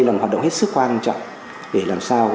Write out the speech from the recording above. là một hoạt động hết sức quan trọng để làm sao